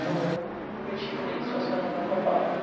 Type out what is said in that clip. for Will, which she believes was for him and her father.